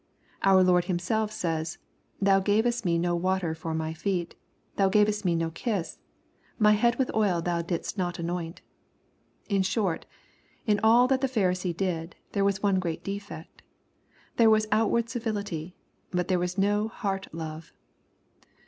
Our Lord Himself says, " Thou gavest me no water for my feet ; thou gavest me no kiss ; my head with oil thou didst not anoint." In short, in all that the Pharisee did, there was one great defect. There was outward civility, but there was no heart love.